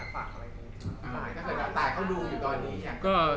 พี่ทิมอยากฝากอะไรด้วยครับ